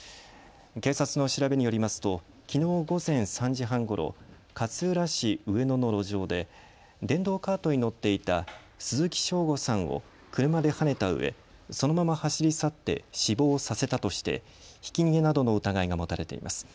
警察の調べによりますときのう午前３時半ごろ勝浦市植野の路上で電動カートに乗っていた鈴木正吾さんを車ではねたうえそのまま走り去って死亡させたとしてひき逃げなどの疑いが持たれています。